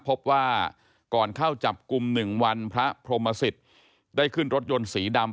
พบว่าก่อนเข้าจับกลุ่ม๑วันพระพรหมสิทธิ์ได้ขึ้นรถยนต์สีดำ